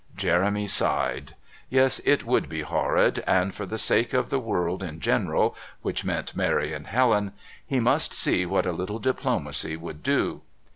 Jeremy sighed; yes, it would be horrid and, for the sake of the world in general, which meant Mary and Helen, he must see what a little diplomacy would do.